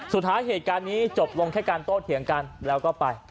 สุดท้ายเหตุการณ์นี้จบลงแค่การโต้เถียงกันแล้วก็ไป